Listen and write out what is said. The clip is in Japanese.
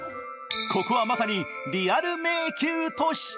ここは、まさにリアル迷宮都市。